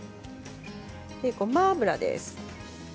ごま油です。